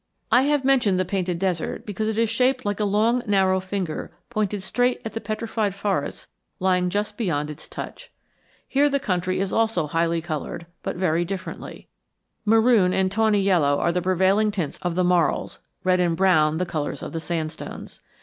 I have mentioned the Painted Desert because it is shaped like a long narrow finger pointed straight at the Petrified Forests lying just beyond its touch. Here the country is also highly colored, but very differently. Maroon and tawny yellow are the prevailing tints of the marls, red and brown the colors of the sandstones.